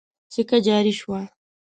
سکه جاري شوه.